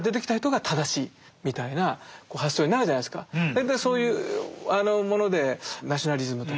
大体そういうものでナショナリズムとか。